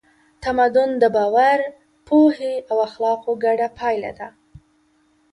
تمدن د باور، پوهې او اخلاقو ګډه پایله ده.